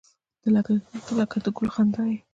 • ته لکه د ګل خندا یې.